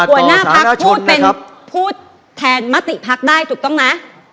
พูดเป็นพูดแทนมติพรรคได้ถูกต้องนะ